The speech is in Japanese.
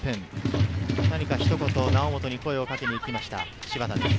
ひと言、猶本に声をかけに行きました。